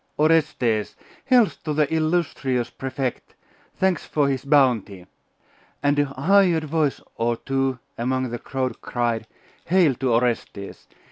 Orestes! Health to the illustrious Prefect! Thanks for his bounty!' And a hired voice or two among the crowd cried, 'Hail to Orestes!